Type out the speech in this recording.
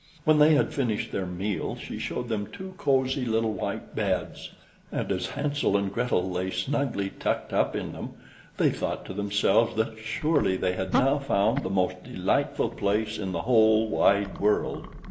When they had finished their meal she showed them two cosy little white beds, and as Hansel and Gretel lay snugly tucked up in them, they thought to themselves that surely they had now found the most delightful place in the whole wide world.